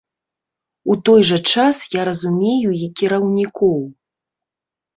У той жа час я разумею і кіраўнікоў.